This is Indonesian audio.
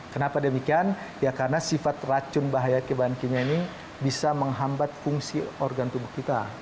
kenapa demikian ya karena sifat racun bahaya kebahan kimia ini bisa menghambat fungsi organ tubuh kita